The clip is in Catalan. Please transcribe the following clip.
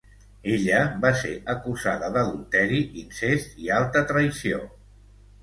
Ella va ser acusada d'adulteri, incest i alta traïció.